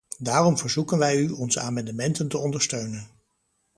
Daarom verzoeken wij u onze amendementen te ondersteunen.